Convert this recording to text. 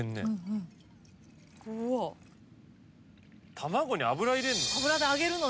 卵に油入れんの？